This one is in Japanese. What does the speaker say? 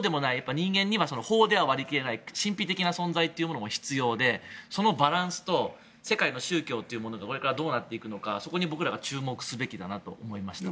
人間には法では割り切れない神秘的な存在も必要でそのバランスと世界の宗教がどうなっていくのかに注目すべきだなと思います。